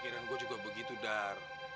pikiran gue juga begitu dar